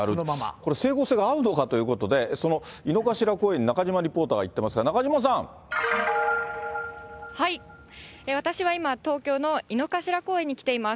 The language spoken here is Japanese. これ、整合性が合うのかということで、その井の頭公園に中島リポーターが行ってますが、私は今、東京の井の頭公園に来ています。